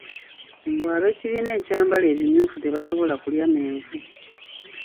Mbu ab'ekibiina ekyambala ebimyufu tebasobola kulya menvu.